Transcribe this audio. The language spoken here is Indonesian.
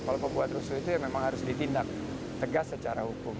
kalau pembuat rusuh itu ya memang harus ditindak tegas secara hukum